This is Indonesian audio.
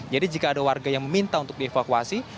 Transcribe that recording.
jadi jika ada warga yang meminta untuk dievakuasi